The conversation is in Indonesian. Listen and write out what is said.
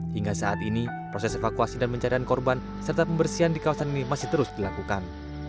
hingga saat ini proses evakuasi dan pencarian korban serta pembersihan di kawasan ini masih terus dilakukan